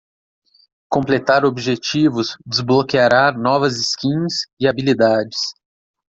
Completar objetivos desbloqueará novas skins e habilidades.